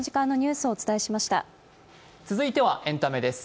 続いてはエンタメです。